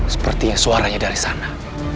sepertinya suaranya dari sana